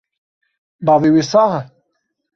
Bavê wê sax e?